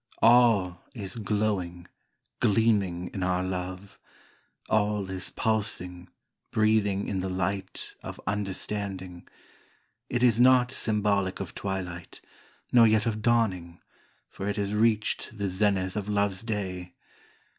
All is glowing, gleaming in our love, All is pulsing, breathing in the light Of understanding — it is not symbolic of twilight, Nor yet of dawning, for it has reached the zenith of love's day.